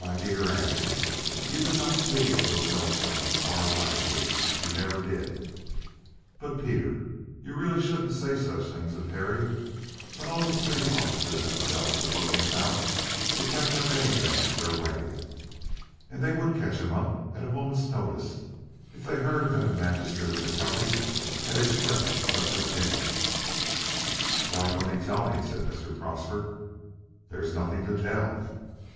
"My dear Anne, you do not see into a millstone as far as I do. You never did." "But, Peter, you really shouldn't say such things of Harry. When all the police officers themselves are looking about to catch up anything in their way, they would catch him up at a moment's notice if they heard that a magistrate of the county had expressed such an opinion." "Why don't he tell me?" said Mr. Prosper. "There's nothing to tell."